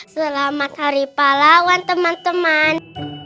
selamat hari pahlawan teman teman